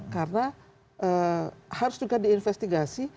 karena harus juga diinvestigasi